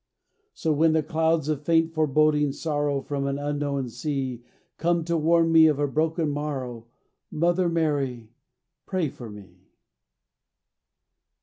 So when clouds of faint foreboding sorrow From an unknown sea Come to warn me of a broken morrow, Mother Mary, pray for me.